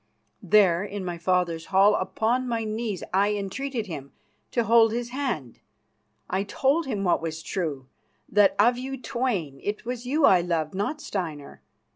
There, in my father's hall, upon my knees, I entreated him to hold his hand. I told him what was true: that, of you twain, it was you I loved, not Steinar.